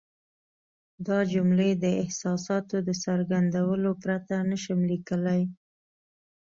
دا جملې د احساساتو د څرګندولو پرته نه شم لیکلای.